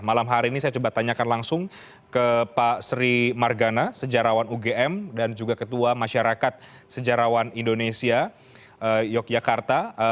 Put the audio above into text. malam hari ini saya coba tanyakan langsung ke pak sri margana sejarawan ugm dan juga ketua masyarakat sejarawan indonesia yogyakarta